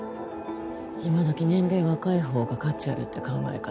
今時年齢若いほうが価値あるって考え方